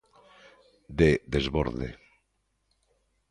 De desborde.